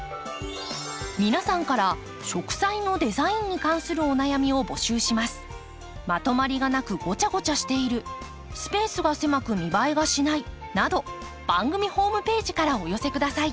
皆さんから植栽のデザインに関するお悩みを募集します。など番組ホームページからお寄せください。